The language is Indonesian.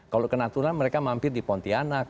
kalau ke natuna mereka mampir di pontianak